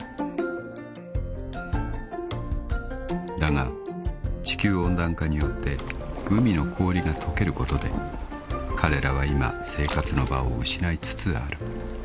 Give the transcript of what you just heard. ［だが地球温暖化によって海の氷が解けることで彼らは今生活の場を失いつつある］